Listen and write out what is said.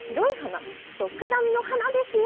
ドクダミの花ですよ。